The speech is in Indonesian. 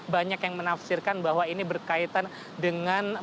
banyak yang menafsirkan bahwa ini berkaitan dengan